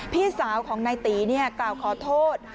พี่สาวของนายตีกล่าวขอโทษ